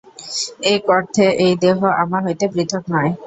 এক অর্থে এই দেহ আমা হইতে পৃথক নয়।